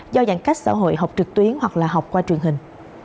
do giãn cách xã hội học trực tuyến hoặc là học qua truyền hình